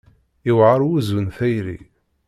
Yewɛaṛ wuzzu n tayri.